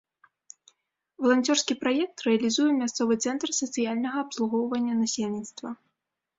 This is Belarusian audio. Валанцёрскі праект рэалізуе мясцовы цэнтр сацыяльнага абслугоўвання насельніцтва.